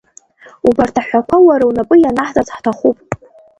Убарҭ аҳәақәа уара унапы ианаҳҵарц ҳҭахуп.